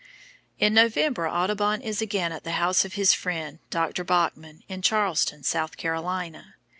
In November Audubon is again at the house of his friend Dr. Bachman, in Charleston, South Carolina.